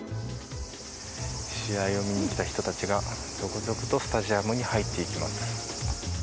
試合を見に来た人たちが続々とスタジアムに入っていきます。